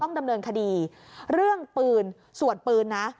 ดำเนินคดีเรื่องปืนส่วนปืนนะ